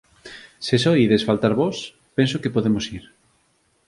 Se só ides faltar vós, penso que podemos ir